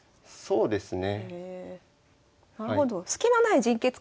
そうですね。